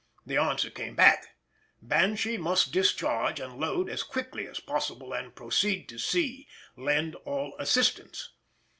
The answer came back, "Banshee must discharge and load as quickly as possible, and proceed to sea; lend all assistance."